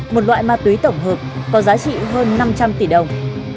một loại ma túy tổng hợp có giá trị hơn năm trăm linh tỷ đồng